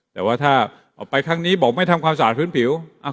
แต่ว่าถ้าออกไปครั้งนี้บอกไม่ทำความสะอาดพื้นผิว